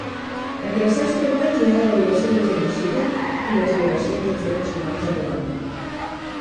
Entre els seus treballs hi ha l'avaluació del genocidi i les violacions dels drets humans a Ruanda.